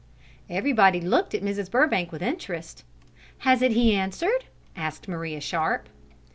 Everybody looked at Mrs. Burbank with interest. "Hasn't he answered?" asked Maria Sharp.